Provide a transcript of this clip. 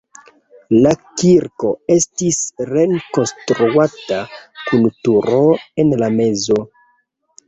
La kirko estis rekonstruata kun turo en la mezo.